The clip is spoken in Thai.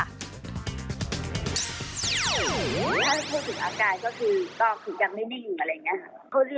ถ้าพูดถึงอาการก็คือก็คือยังไม่ได้อยู่อะไรอย่างนี้